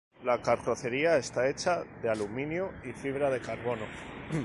La carrocería está hecha de aluminio y fibra de carbono.